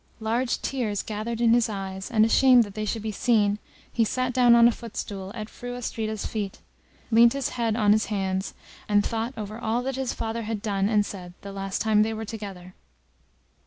Large tears gathered in his eyes, and ashamed that they should be seen, he sat down on a footstool at Fru Astrida's feet, leant his forehead on his hands, and thought over all that his father had done and said the last time they were together.